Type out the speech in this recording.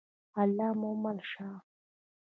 الله مو مل شه؟